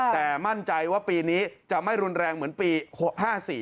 แต่มั่นใจว่าปีนี้จะไม่รุนแรงเหมือนปี๕๔